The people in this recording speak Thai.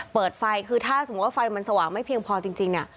เปิดไฟคือถ้าสมมุติว่าไฟมันสว่างไม่เพียงพอจริง